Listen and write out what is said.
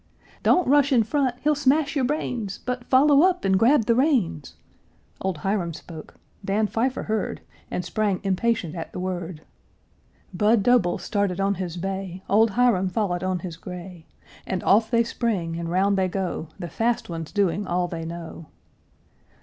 "Don't rush in front! he'll smash your brains; But follow up and grab the reins!" Old Hiram spoke. Dan Pfeiffer heard, And sprang impatient at the word; Budd Doble started on his bay, Old Hiram followed on his gray, And off they spring, and round they go, The fast ones doing "all they know."